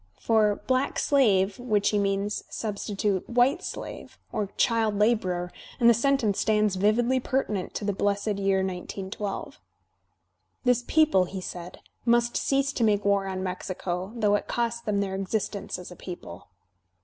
Por black slave," which he means, substitute white slave" or "child labourer" and the sentence stands vividly pertinent to the blessed year 1912. "This people," he said, "must cease to make war on Mexico, though it cost them their existence as a people."